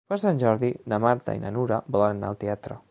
Per Sant Jordi na Marta i na Nura volen anar al teatre.